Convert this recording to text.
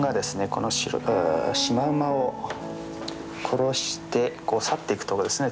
このシマウマを殺して去っていくとこですね